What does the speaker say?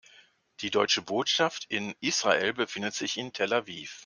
Die Deutsche Botschaft in Israel befindet sich in Tel Aviv.